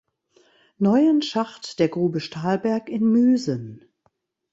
Neuen Schacht der Grube Stahlberg in Müsen.